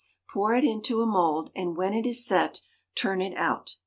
Pour it into a mould and when it is set turn it out.